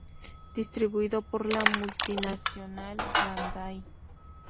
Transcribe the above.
Distribuido por la multinacional Bandai.